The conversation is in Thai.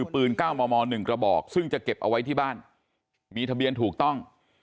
ปืน๙มม๑กระบอกซึ่งจะเก็บเอาไว้ที่บ้านมีทะเบียนถูกต้อง